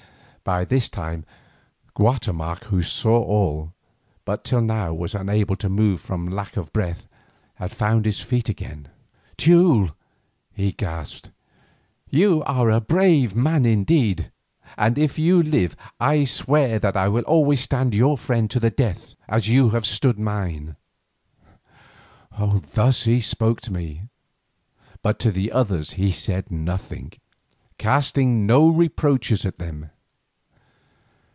By this time Guatemoc, who saw all, but till now was unable to move from lack of breath, had found his feet again. "Teule," he gasped, "you are a brave man indeed, and if you live I swear that I will always stand your friend to the death as you have stood mine." Thus he spoke to me; but to the others he said nothing, casting no reproaches at them.